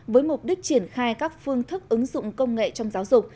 với mục đích triển khai các phương thức ứng dụng công nghệ trong giáo dục